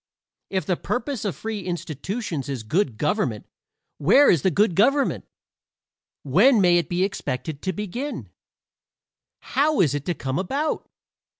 If the purpose of free institutions is good government where is the good government? when may it be expected to begin? how is it to come about?